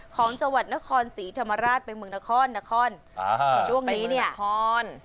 ของจังหวัดนครศรีธรรมราชเป็นเมืองนครช่วงนี้เนี่ยเป็นเมืองนคร